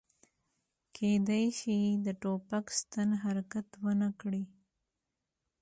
کیدای شي د ټوپک ستن حرکت ونه کړي